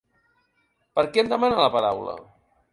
Per què em demana la paraula?